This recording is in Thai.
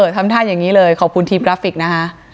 ทำท่าอย่างนี้เลยขอบคุณทีมกราฟิกนะคะ